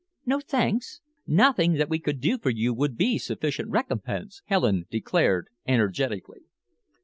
"No thanks nothing that we could do for you would be sufficient recompense," Helen declared energetically.